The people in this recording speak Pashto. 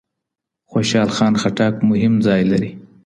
خوشال خان خټک مهم ځای لري